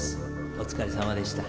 お疲れさまでした